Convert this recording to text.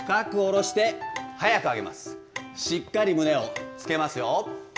しっかり胸をつけますよ。